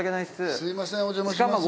すいませんお邪魔します。